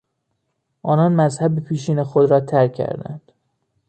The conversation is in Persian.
آنان مذهب پیشین خود را ترک کردند.